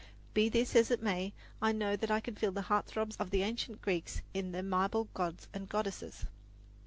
Be this as it may, I know that I can feel the heart throbs of the ancient Greeks in their marble gods and goddesses.